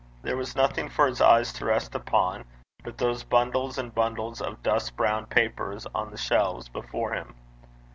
There was nothing for his eyes to rest upon but those bundles and bundles of dust browned papers on the shelves before him.